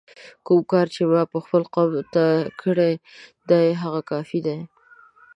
کوم کار چې ما خپل قوم ته کړی دی آیا هغه کافي دی؟!